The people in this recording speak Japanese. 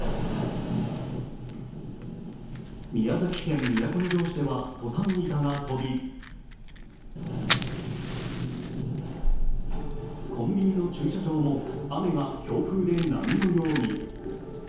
宮崎県都城市ではトタン板が飛びコンビニの駐車場も雨が強風で波のように。